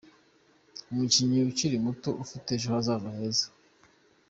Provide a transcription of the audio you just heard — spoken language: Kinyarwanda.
Umukinnyi ukiri muto ufite ejo hazaza heza.